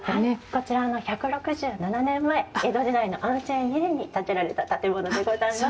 こちら、１６７年前江戸時代の安政２年に建てられた建物でございます。